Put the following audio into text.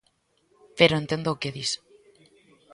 Pero entendo o que dis.